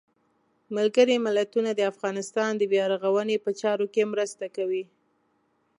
ملګري ملتونه د افغانستان د بیا رغاونې په چارو کې مرسته کوي.